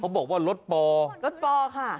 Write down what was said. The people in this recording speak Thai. บอกว่ารถปอรถปอค่ะ